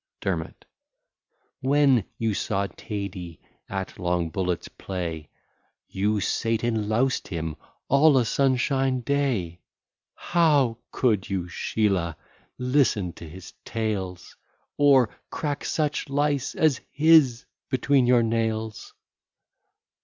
DERMOT When you saw Tady at long bullets play, You sate and loused him all a sunshine day: How could you, Sheelah, listen to his tales, Or crack such lice as his between your nails?